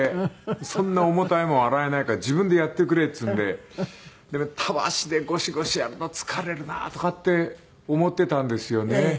「そんな重たいもん洗えないから自分でやってくれ」って言うんでたわしでゴシゴシやるの疲れるなとかって思っていたんですよね。